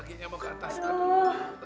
akhirnya mau ke atas aduh